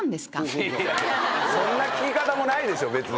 そんな聞き方もないでしょ別に。